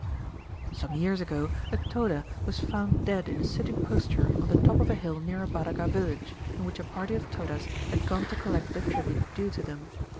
Some years ago, a Toda was found dead in a sitting posture on the top of a hill near a Badaga village, in which a party of Todas had gone to collect the tribute due to them.